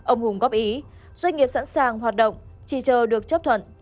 ông hùng góp ý doanh nghiệp sẵn sàng hoạt động chỉ chờ được chấp thuận